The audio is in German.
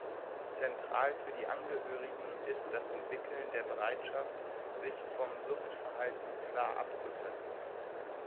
Zentral für die Angehörigen ist das Entwickeln der Bereitschaft, sich vom Suchtverhalten klar abzugrenzen.